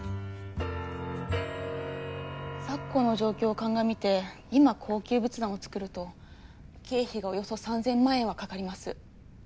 昨今の状況を鑑みて今高級仏壇を作ると経費がおよそ３，０００万円はかかります。